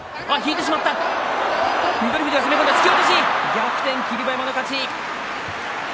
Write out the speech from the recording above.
逆転、霧馬山の勝ち。